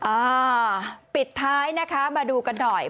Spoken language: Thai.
อ่าปิดท้ายนะคะมาดูกันหน่อย